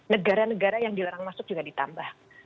negara negara yang dilarang masuk juga ditambah